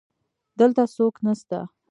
دلته څوک نسته